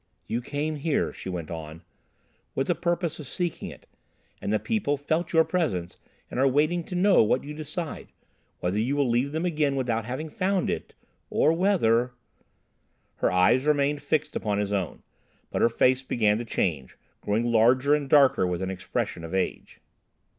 "You came here," she went on, "with the purpose of seeking it, and the people felt your presence and are waiting to know what you decide, whether you will leave them without having found it, or whether—" Her eyes remained fixed upon his own, but her face began to change, growing larger and darker with an expression of age.